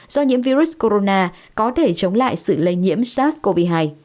do nhiễm virus corona có thể chống lại sự lây nhiễm sars cov hai